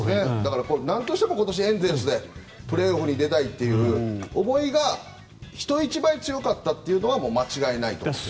なんとしても今年、エンゼルスでプレーオフに出たいという思いが人一倍強かったのは間違いないと思います。